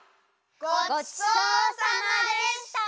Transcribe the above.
ごちそうさまでした！